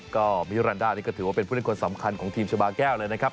ก็มิรันดานี่ก็ถือว่าเป็นผู้เล่นคนสำคัญของทีมชาบาแก้วเลยนะครับ